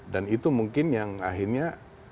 dan itu mungkin yang akhirnya